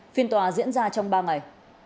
phiên tòa diễn ra trong ba ngày